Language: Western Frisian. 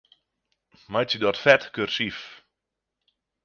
Meitsje dat fet kursyf.